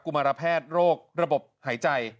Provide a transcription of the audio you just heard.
มารแพทย์โรคระบบหายใจ